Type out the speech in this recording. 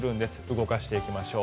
動かしていきましょう。